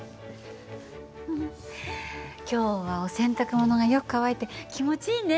フフッ今日はお洗濯物がよく乾いて気持ちいいね。